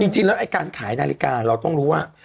จริงแล้วไอ้การขายนาฬิกาเราต้องรู้ว่า